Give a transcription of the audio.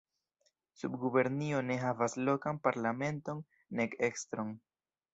Subgubernio ne havas lokan parlamenton nek estron.